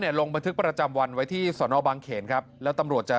ลงบันทึกประจำวันไว้ที่สอนอบางเขนครับแล้วตำรวจจะ